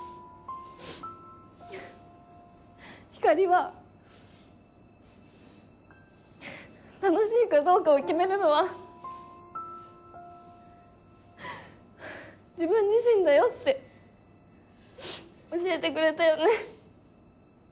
ひかりは「楽しいかどうかを決めるのは自分自身だよ」って教えてくれたよね。